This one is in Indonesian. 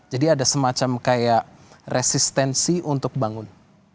jadi ada semacam kayak resistensi untuk bangun